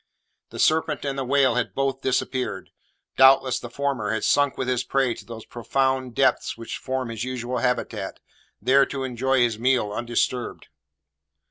The serpent and the whale had both disappeared. Doubtless the former had sunk with his prey to those profound depths which form his usual habitat, there to enjoy his meal undisturbed.